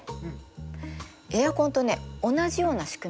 エアコンとね同じようなしくみなの。